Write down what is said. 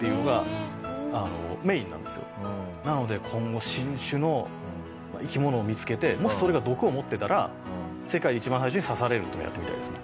なので今後新種の生き物を見つけてもしそれが毒を持ってたら世界で一番最初に刺されるっていうのやってみたいですね。